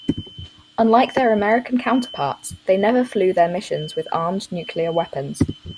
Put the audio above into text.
Unlike their American counterparts they never flew their missions with armed nuclear weapons.